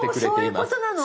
おそういうことなの！